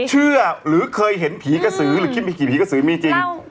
เชื่อหรือเคยเห็นผีกระสือหรือคิดมีกี่ผีกระสือมีจริง